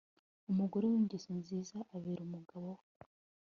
umugore w ingeso nziza abera umugabo we